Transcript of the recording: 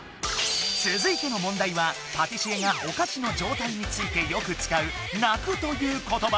つづいてのもんだいはパティシエがお菓子の状態についてよく使う「なく」という言ば。